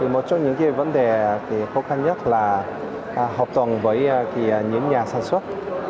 một trong những vấn đề khó khăn nhất là hợp tầng với những nhà sản xuất